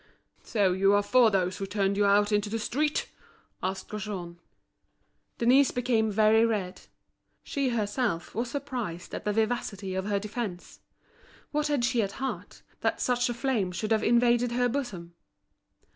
"So you are for those who turned you out into the street?" asked Gaujean. Denise became very red. She herself was surprised at the vivacity of her defence. What had she at heart, that such a flame should have invaded her bosom?